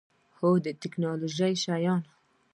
هو، د تکنالوژۍ شیان